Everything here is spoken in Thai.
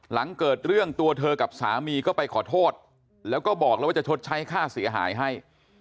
หลังเกิดเรื่องตัวเธอกับสามีก็ไปขอโทษแล้วก็บอกแล้วว่าจะชดใช้ค่าเสียหายให้